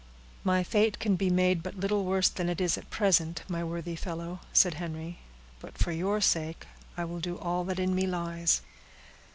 "My fate can be made but little worse than it is at present, my worthy fellow," said Henry; "but for your sake I will do all that in me lies."